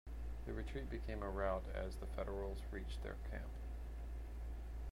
The retreat became a rout as the Federals reached their camp.